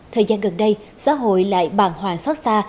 thời gian gần đây xã hội lại bàng hoàng xót xa